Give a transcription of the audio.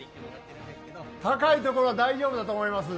高いところ、大丈夫だと思います。